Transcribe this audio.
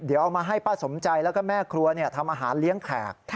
เดี๋ยวเอามาให้ป้าสมใจแล้วก็แม่ครัวทำอาหารเลี้ยงแขก